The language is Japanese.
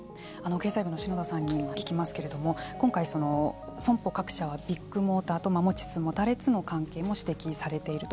経済部の篠田さんに聞きますけれども今回、損保各社はビッグモーターと持ちつ持たれつの関係も指摘されていると。